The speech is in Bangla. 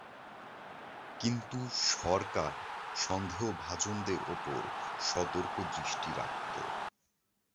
কিন্তু সরকার সন্দেহভাজনদের ওপর সতর্ক দৃষ্টি রাখত।